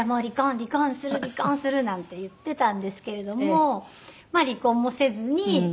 離婚する離婚する」なんて言ってたんですけれども離婚もせずにここまで来て。